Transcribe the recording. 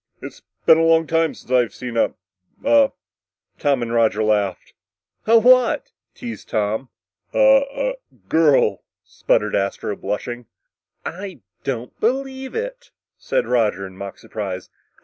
"It's been a long time since I've seen a a " Tom and Roger laughed. "A what?" teased Tom. "A a girl," sputtered Astro, blushing. "I don't believe it," said Roger in mock surprise.